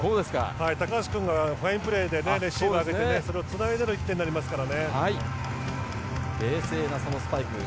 高橋君がファインプレーでレシーブを上げてのそれをつないでの１点になりますから。